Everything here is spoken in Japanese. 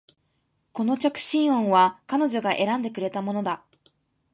この着信音は彼女が選んでくれたものだ